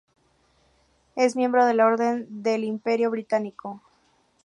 Es miembro de la Orden del Imperio Británico.